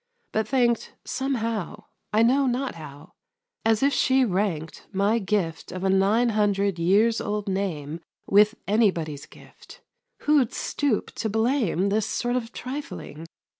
but thanked Somehow I know not how as if she ranked My gift of a nine hundred years old name With anybody's gift. Who'd stoop to blame This sort of trifling?